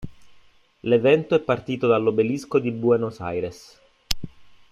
L'evento è partito dall'Obelisco di Buenos Aires.